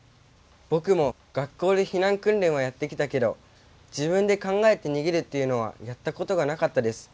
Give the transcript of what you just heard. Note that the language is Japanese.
僕も学校で避難訓練はやってきたけど自分で考えて逃げるっていうのはやったことがなかったです。